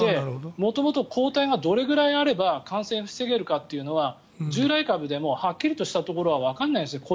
元々抗体がどれぐらいあれば感染を防げるかというのは従来株でもはっきりしたところはわからないんです。